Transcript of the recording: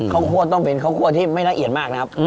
คั่วต้องเป็นข้าวคั่วที่ไม่ละเอียดมากนะครับ